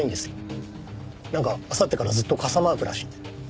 なんかあさってからずっと傘マークらしいんで。